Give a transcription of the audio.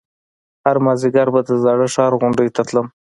هر مازديگر به د زاړه ښار غونډۍ ته تلم.